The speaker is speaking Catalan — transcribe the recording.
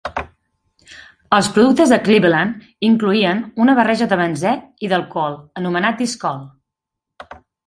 El productes de Cleveland incloïen una barreja de benzè i d'alcohol anomenat "Discol".